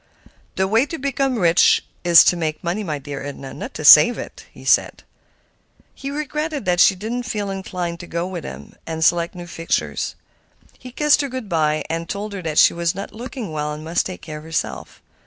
"The way to become rich is to make money, my dear Edna, not to save it," he said. He regretted that she did not feel inclined to go with him and select new fixtures. He kissed her good by, and told her she was not looking well and must take care of herself.